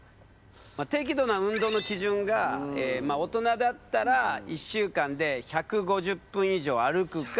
適度な運動の基準が大人だったら１週間で１５０分以上歩くか。